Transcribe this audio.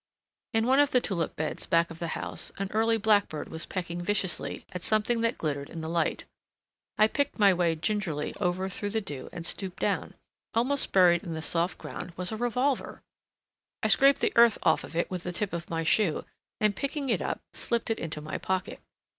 In one of the tulip beds back of the house an early blackbird was pecking viciously at something that glittered in the light. I picked my way gingerly over through the dew and stooped down: almost buried in the soft ground was a revolver! I scraped the earth off it with the tip of my shoe, and, picking it up, slipped it into my pocket.